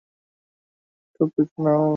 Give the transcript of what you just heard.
তোমার টপিক নাও।